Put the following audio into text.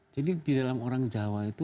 jadi di dalam orang jawa itu